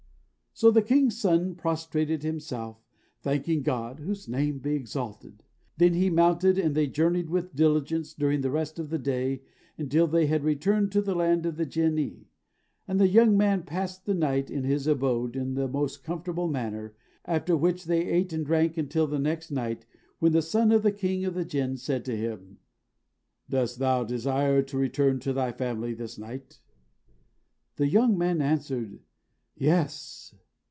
So the king's son prostrated himself, thanking God (whose name be exalted!). Then he mounted, and they journeyed with diligence during the rest of the day until they had returned to the land of the Jinnee, and the young man passed the night in his abode in the most comfortable manner; after which they ate and drank until the next night, when the son of the king of the Jinn said to him, "Dost thou desire to return to thy family this night?" The young man answered, "Yes."